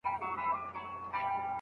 تاریخ د پخوا یادونه ده.